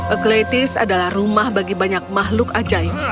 aklaitis adalah rumah bagi banyak makhluk ajaib